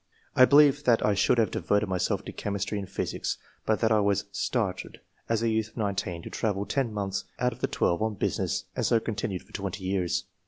I believe that I should have devoted myself to chemistry and physics, but that I was started, as a youth of 19, to travel 10 months out of the twelve on business, and so continued for 20 years.